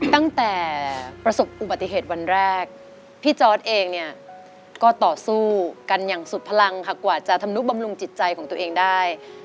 ประสบอุบัติเหตุวันแรกพี่จอร์ดเองเนี่ยก็ต่อสู้กันอย่างสุดพลังค่ะกว่าจะทำนุบำรุงจิตใจของตัวเองได้